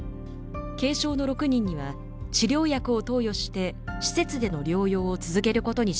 軽症の６人には治療薬を投与して施設での療養を続けることにしました。